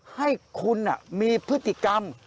ให้คุณน่ะมีพฤติรัมธ์